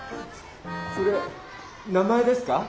それ名前ですか？